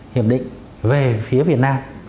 hiệp định về phía việt nam